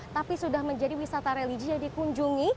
tapi sudah menjadi wisata religi yang dikunjungi